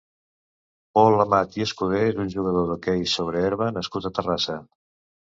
Pol Amat i Escudé és un jugador d'hoquei sobre herba nascut a Terrassa.